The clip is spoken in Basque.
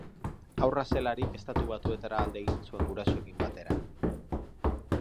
Haurra zelarik Estatu Batuetara alde egin zuen gurasoekin batera.